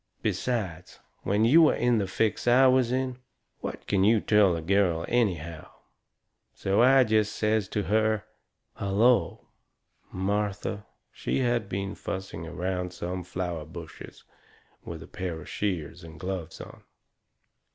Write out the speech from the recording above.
Besides, when you are in the fix I was in, what can you tell a girl anyhow? So I jest says to her: "Hullo!" Martha, she had been fussing around some flower bushes with a pair of shears and gloves on.